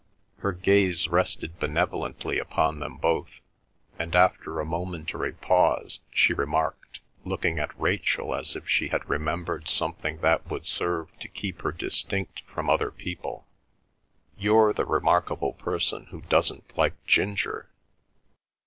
Her gaze rested benevolently upon them both, and, after a momentary pause, she remarked, looking at Rachel as if she had remembered something that would serve to keep her distinct from other people. "You're the remarkable person who doesn't like ginger."